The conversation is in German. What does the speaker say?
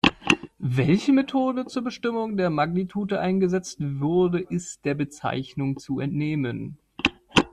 Welche Methode zur Bestimmung der Magnitude eingesetzt wurde, ist der Bezeichnung zu entnehmen.